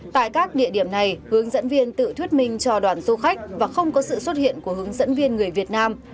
tại các địa điểm này hướng dẫn viên tự thuyết minh cho đoàn du khách và không có sự xuất hiện của hướng dẫn viên người việt nam